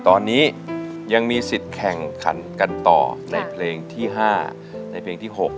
ตอนนี้ยังมีสิทธิ์แข่งขันกันต่อในเพลงที่๕ในเพลงที่๖